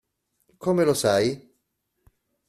Come lo sai?